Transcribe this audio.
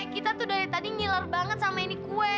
kita tuh dari tadi ngiler banget sama ini kue